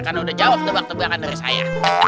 karena udah jawab tebak tebakan dari saya